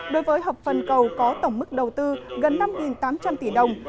đối với hợp phần cầu có tổng mức đầu tư gần năm tám trăm linh tỷ đồng